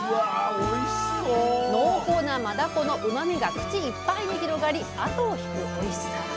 濃厚なマダコのうまみが口いっぱいに広がり後を引くおいしさ！